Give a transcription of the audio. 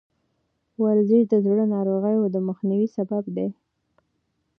ورزش د زړه ناروغیو د مخنیوي سبب دی.